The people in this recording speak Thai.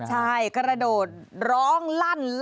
ใช่กระโดดร้องลั่นลั่นบ้านเลย